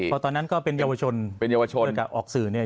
พอตอนนั้นก็เป็นเยาวชนเป็นเยาวชนกับออกสื่อเนี่ย